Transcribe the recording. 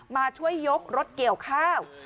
มาช่วยยกรถเกี่ยวข้าว